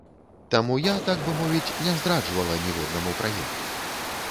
Таму я, так бы мовіць, не здраджвала ніводнаму праекту.